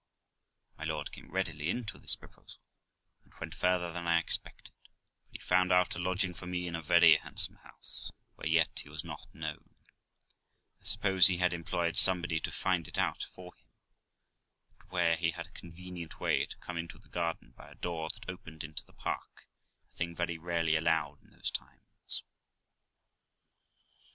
My lord came readily into this proposal, and went further than I expected, for he found out a lodging for me in a very handsome house, where yet he was not known I suppose he had employed somebody to find it out for him and where he had a convenient way to come into the garden by a door that opened into the park, a thing very rarely allowed in those times.